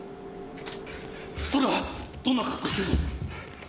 「それはどんな格好をしてるの？」